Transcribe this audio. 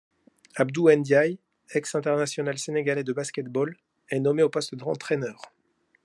Abdou N'Diaye, ex-international sénégalais de basket-ball, est nommé au poste d'entraîneur.